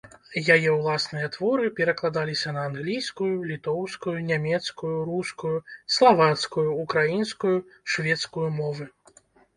Яе ўласныя творы перакладаліся на англійскую, літоўскую, нямецкую, рускую, славацкую, украінскую, шведскую мовы.